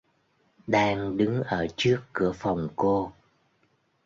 Đang đứng ở trước cửa phòng cô